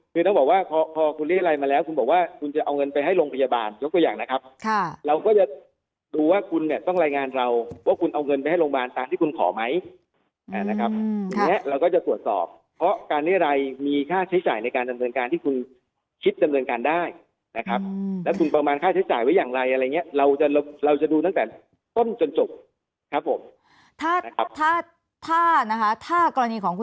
คือต้องบอกว่าพอคุณเรียรัยมาแล้วคุณบอกว่าคุณจะเอาเงินไปให้โรงพยาบาลยกตัวอย่างนะครับเราก็จะดูว่าคุณต้องรายงานเราว่าคุณเอาเงินไปให้โรงพยาบาลตามที่คุณขอไหมนะครับและเราก็จะตรวจสอบเพราะการเรียรัยมีค่าใช้จ่ายในการจำเงินการที่คุณคิดจำเงินการได้นะครับและคุณประมาณค่าใช้จ่ายไว้อย่างไรอะไร